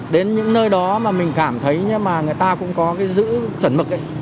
đến những nơi đó mà mình cảm thấy nhưng mà người ta cũng có cái giữ chuẩn mực ấy